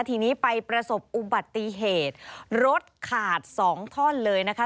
ทีนี้ไปประสบอุบัติเหตุรถขาดสองท่อนเลยนะคะ